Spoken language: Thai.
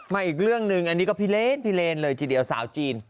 มาอีกเรื่องหนึ่งอันนี้ก็พิเลนเลยสาวจีน